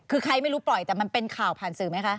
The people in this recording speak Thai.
คือใครไม่รู้ปล่อยแต่มันเป็นข่าวผ่านสื่อไหมคะ